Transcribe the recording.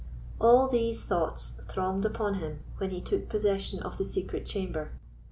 All these thoughts thronged upon him when he took possession of the secret chamber.